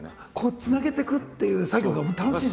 つなげていくっていう作業が楽しいんですね。